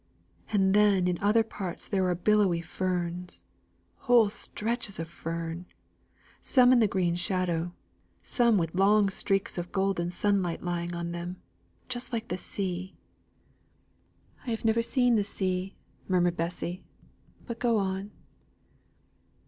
And then in other parts there are billowy ferns whole stretches of fern; some in the green shadow; some with long streaks of golden sunlight lying on them just like the sea." "I have never seen the sea," murmured Bessy. "But go on."